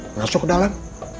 masuk ke dalam